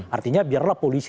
artinya biarlah polisi